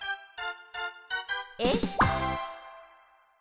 えっ？